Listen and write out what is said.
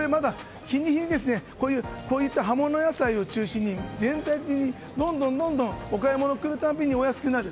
日に日にこういった葉物野菜を中心に全体的にどんどんお買い物に来るたびにお安くなる。